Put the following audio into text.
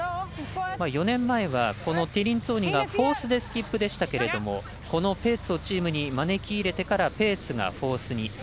４年前はこのティリンツォーニがフォースでスキップでしたけれどペーツをチームに招き入れてからペーツがフォースに。